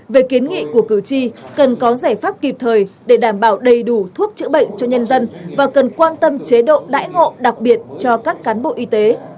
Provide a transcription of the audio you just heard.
về kiến nghị của cử tri cần có giải pháp kịp thời để đảm bảo đầy đủ thuốc chữa bệnh cho nhân dân và cần quan tâm chế độ đãi ngộ đặc biệt cho các cán bộ y tế